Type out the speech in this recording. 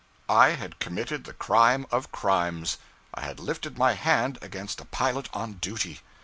I had committed the crime of crimes I had lifted my hand against a pilot on duty!